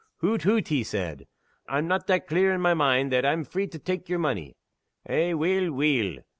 "Hoot! toot!" he said, "I'm no' that clear in my mind that I'm free to tak' yer money. Eh, weel! weel!